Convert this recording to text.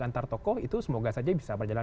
antar tokoh itu semoga saja bisa berjalan